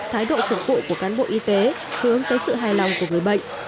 thái độ phục vụ của cán bộ y tế hướng tới sự hài lòng của người bệnh